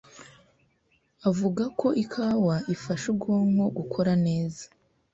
avuga ko ikawa ifasha ubwonko gukora neza,